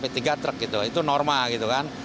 tiga truk gitu itu normal gitu kan